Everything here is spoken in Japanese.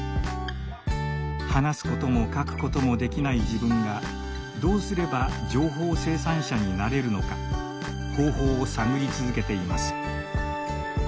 話すことも書くこともできない自分がどうすれば「情報生産者」になれるのか方法を探り続けています。